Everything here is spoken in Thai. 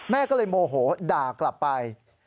แม่ก็เลยโมโหด่ากลับไป